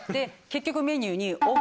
結局メニューに。